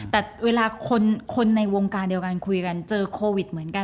แต่เวลาคนในวงการเดียวกันคุยกันเจอโควิดเหมือนกัน